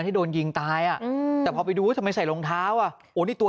ที่โดนยิงตายอ่ะอืมแต่พอไปดูทำไมใส่รองเท้าอ่ะโอ้นี่ตัว